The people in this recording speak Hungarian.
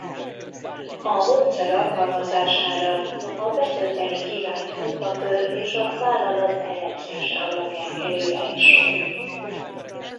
A módszer alkalmazására a betölteni kívánt munkakör és a vállalat elemzése alapján kerülhet sor.